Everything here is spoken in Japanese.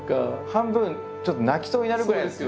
半分ちょっと泣きそうになるぐらい。